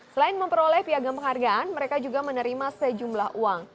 selain memperoleh piagam penghargaan mereka juga menerima sejumlah uang